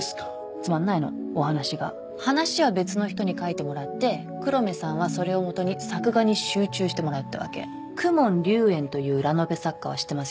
つまんないのお話が話は別の人に書いてもらって黒目さんはそれを基に作画に集中してもらうってわけ公文竜炎というラノベ作家は知ってますよね？